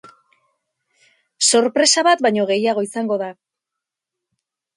Sorpresa bat baino gehiago izango da!